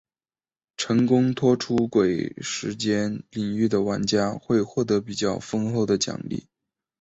成功脱出鬼时间领域的玩家会获得比较丰厚的奖励。